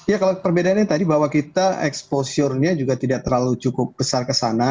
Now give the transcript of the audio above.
ya kalau perbedaannya tadi bahwa kita exposure nya juga tidak terlalu cukup besar kesana